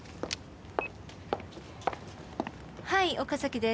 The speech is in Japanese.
はい岡崎です。